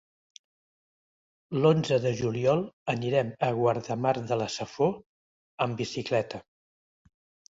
L'onze de juliol anirem a Guardamar de la Safor amb bicicleta.